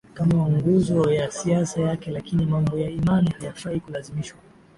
kama nguzo ya siasa yake Lakini mambo ya imani hayafai kulazimishwa